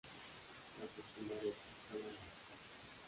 La popular Epístola no.